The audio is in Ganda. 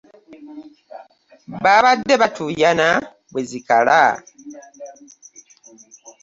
Baabadde batuuyana bwe zikala.